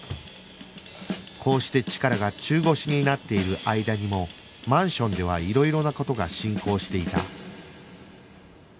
こうしてチカラが中腰になっている間にもマンションではいろいろな事が進行していた